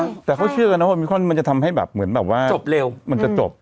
ใช่เขาเชื่อกันนะว่ามีคนจะทำให้แบบเหมือนแบบจบเร็วมันจะจบ